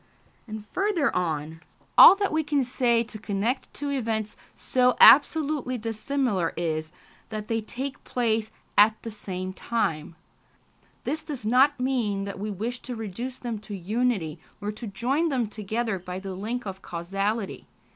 And further on: "All that we can say to connect two events so absolutely dissimilar is, that they take place at the same time.... This does not mean that we wish to reduce them to unity, or to join them together by the link of causality